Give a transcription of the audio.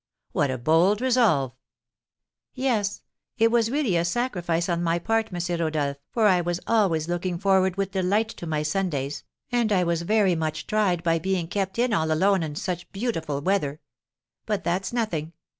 "What a bold resolve!" "Yes, it was really a sacrifice on my part, M. Rodolph, for I was always looking forward with delight to my Sundays, and I was very much tried by being kept in all alone in such beautiful weather. But that's nothing.